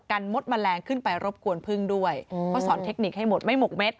มดแมลงขึ้นไปรบกวนพึ่งด้วยเพราะสอนเทคนิคให้หมดไม่หมกเม็ด